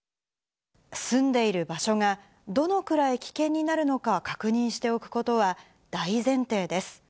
住んでいる場所が、どのくらい危険になるのか確認しておくことは、大前提です。